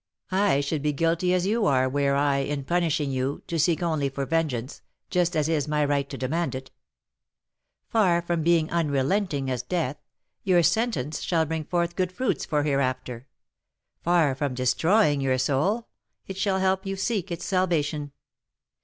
I should be guilty as you are were I, in punishing you, to seek only for vengeance, just as is my right to demand it; far from being unrelenting as death, your sentence shall bring forth good fruits for hereafter; far from destroying your soul, it shall help you to seek its salvation.